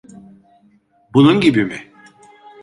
Bunun gibi mi?